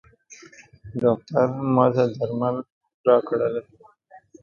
ډاکټر ماته درمل راکړل.